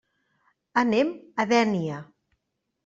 Anem a Dénia.